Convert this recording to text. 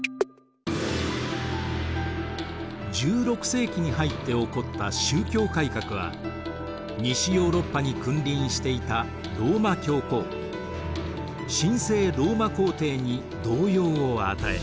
１６世紀に入って起こった宗教改革は西ヨーロッパに君臨していたローマ教皇神聖ローマ皇帝に動揺を与え